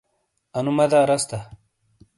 انو مدح رس تا۔